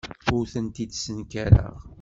Ur tent-id-ssenkareɣ.